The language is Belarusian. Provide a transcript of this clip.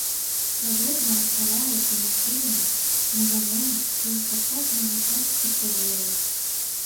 Свабодна рассяваецца насеннем, на газонах і ў садках можа стаць пустазеллем.